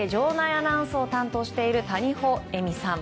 アナウンスを担当している谷保恵美さん。